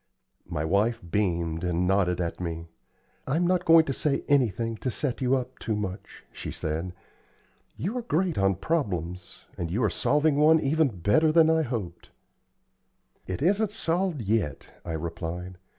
My wife beamed and nodded at me. "I'm not going to say anything to set you up too much," she said. "You are great on problems, and you are solving one even better than I hoped." "It isn't solved yet," I replied.